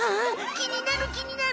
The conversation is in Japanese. きになるきになる！